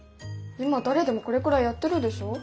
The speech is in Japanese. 今誰でもこれくらいやってるでしょ？